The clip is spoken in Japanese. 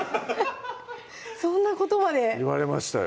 そんなことまで言われましたよ